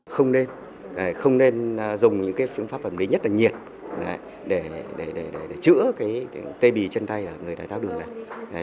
không nên dùng những phương pháp phẩm lý nhất là nhiệt để chữa tê bì chân tay người đáy tháo đường này